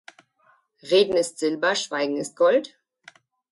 Reden ist Silber, Schweigen ist Gold?